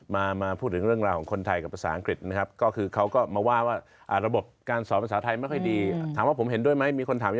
มาพูดถึงเรื่องราวของคนไทยกับภาษาอังกฤษนะครับ